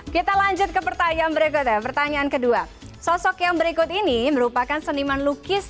kita lanjut ke pertanyaan berikutnya pertanyaan kedua sosok yang berikut ini merupakan seniman lukis